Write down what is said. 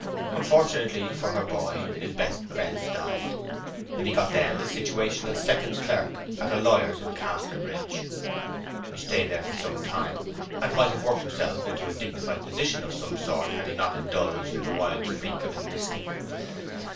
Unfortunately for her boy, his best friends died; and he got then a situation as second clerk at a lawyer's in Casterbridge. He stayed there for some time, and might have worked himself into a dignified position of some sort had he not indulged in the wild freak of enlisting.